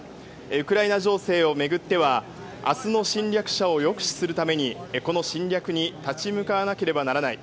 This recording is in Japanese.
ウクライナ情勢を巡っては明日の侵略者を抑止するためにこの侵略に立ち向かわなければならない。